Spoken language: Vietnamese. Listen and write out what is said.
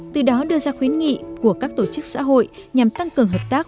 từ đó đưa ra khuyến nghị của các tổ chức xã hội nhằm tăng cường hợp tác